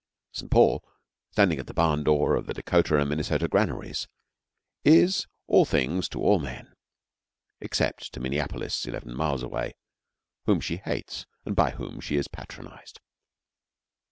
St. Paul, standing at the barn door of the Dakota and Minnesota granaries, is all things to all men except to Minneapolis, eleven miles away, whom she hates and by whom she is patronised.